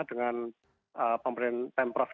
dengan pembangunan pertanian